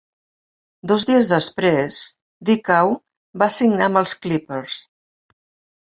Dos dies després, Dickau va signar amb els Clippers.